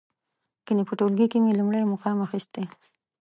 ګنې په ټولګي کې مې لومړی مقام اخسته.